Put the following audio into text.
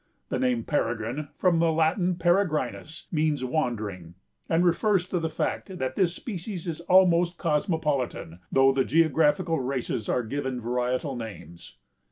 The name peregrine, from the Latin peregrinus, means wandering, and refers to the fact that this species is almost cosmopolitan, though the geographical races are given varietal names.